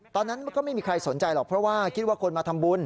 ตอนนั้นก็ไม่มีใครสนใจหรอกเพราะว่าคิดว่าคนมาทำบุญ